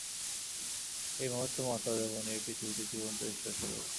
এই মহত্তম আচার্যগণ এই পৃথিবীতে জীবন্ত ঈশ্বরস্বরূপ।